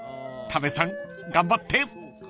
［多部さん頑張って］